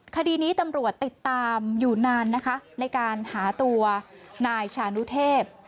คดีนี้ตำรวจติดตามอยู่นานนะคะในการหาตัวนายชานุเทพ